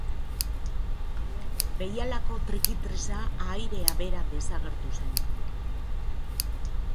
Behialako trikitixa ahairea bera desagertu zen.